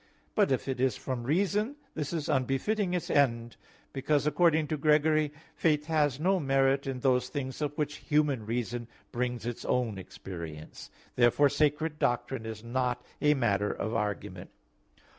But if it is from reason, this is unbefitting its end, because, according to Gregory (Hom. 26), "faith has no merit in those things of which human reason brings its own experience." Therefore sacred doctrine is not a matter of argument.